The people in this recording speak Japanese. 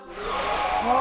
ああ！